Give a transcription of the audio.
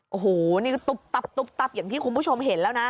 โอ้โหนี่ก็ตุ๊บตับตุ๊บตับอย่างที่คุณผู้ชมเห็นแล้วนะ